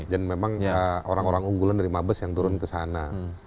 dan memang orang orang unggulan dari mabes yang turun ke sana